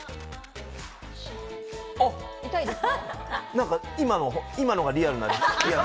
あっ、今のがリアルな。